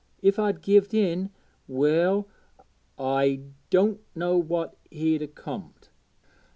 If I'd gived in well, I doänt know what 'ud 'a comed.